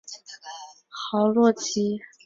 豪洛吉。